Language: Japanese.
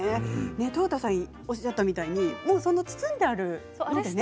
豊田さんがおっしゃったみたいに包んであるね。